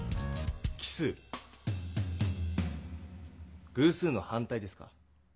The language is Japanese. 奇数？偶数の反対ですか。